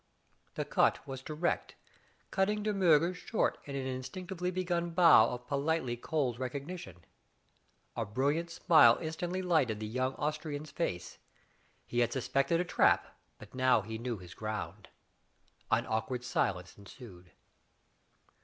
The cut was direct, cutting De Miirger short in an instinctively begun bow of politely cold recog nition. A brilliant smile instantly lightened the young Austrian's face. He had suspected a trap, but now he knew his ground. An awkward silence ensued.